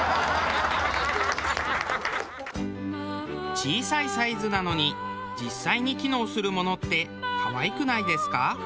小さいサイズなのに実際に機能するものって可愛くないですか？